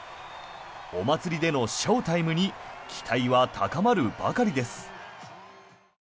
お祭りでのショータイムに期待は高まるばかりです。